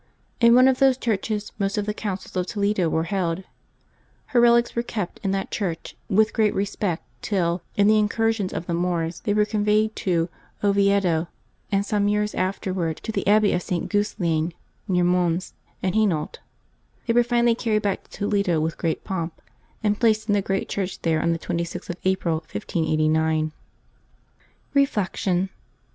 In one of those churches most of the councils of Toledo were held. Her relics were kept in that church with great respect, till, in the incursions of the Moors, they were conveyed to Oviedo, and some years afterward to the abbey of St. Guis lain, near Mons in Hainault They were finally carried back to Toledo with great pomp, and placed in the great church there on the 26th of April, 1589. Reflection.